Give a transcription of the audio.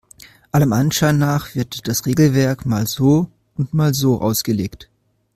Allem Anschein nach wird das Regelwerk mal so und mal so ausgelegt.